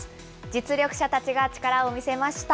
実力者たちが力を見せました。